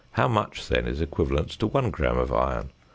How much then is equivalent to 1 gram of iron?